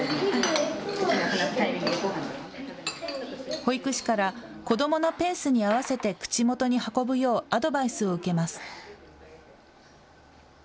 保育士から、子どものペースに合わせて口元に運ぶようアドバイスを受けます。